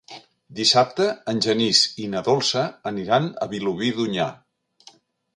Dissabte en Genís i na Dolça aniran a Vilobí d'Onyar.